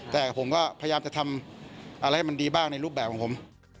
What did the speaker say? แต่ผมก็พยายามจะทำอะไรให้มันดีบ้างในรูปแบบของผม